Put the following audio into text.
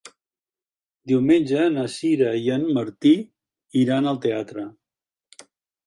Diumenge na Sira i en Martí iran al teatre.